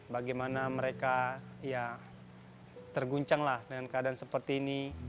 bagaimana mereka ya terguncanglah dengan keadaan seperti ini